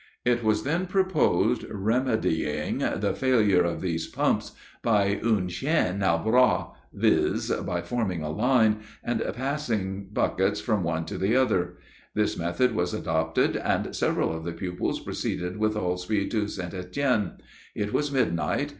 It was then proposed remedying the failure of these pumps by une chaine a bras, viz, by forming a line, and passing buckets from one to the other; this method was adopted, and several of the pupils proceeded with all speed to St. Etienne. It was midnight.